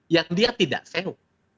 yang dia tidak sewa